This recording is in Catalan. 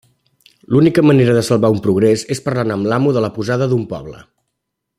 L'única manera de salvar un progrés és parlant amb l'amo de la posada d'un poble.